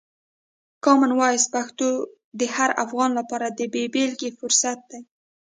کامن وایس پښتو د هر افغان لپاره د بې بېلګې فرصت دی.